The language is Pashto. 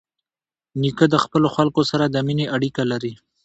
نیکه د خپلو خلکو سره د مینې اړیکه لري.